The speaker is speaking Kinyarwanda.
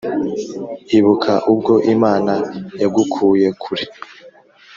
ibuka ubwo imana yagukuye kure